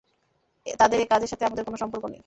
তাদের এ কাজের সাথে আমাদের কোন সম্পর্ক নেই।